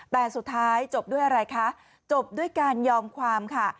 แต่สุดท้ายจบด้วยอะไรคะจบด้วยการยอมความค่ะ